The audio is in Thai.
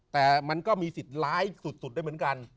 แต่มันก็มีสิทธิ์ร้ายสุดได้เหมือนกัน